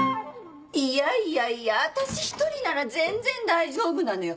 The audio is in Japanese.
いやいやいや私一人なら全然大丈夫なのよ。